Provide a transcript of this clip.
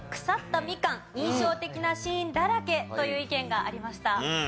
腐ったミカン印象的なシーンだらけという意見がありました。